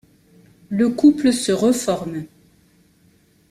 Le couple se reforme.